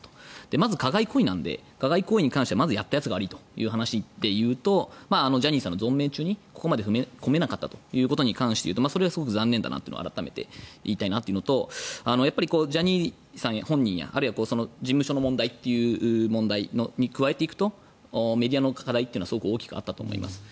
まず、加害行為なので加害行為に関してはまずやったやつが悪いという話で言うとジャニーさんの存命中にここまで踏み込めなかったというのはそれはすごく残念だなと改めて言いたいというのとジャニーさん本人やあるいは事務所の問題というのに加えていくとメディアの課題はすごく大きくあったと思います。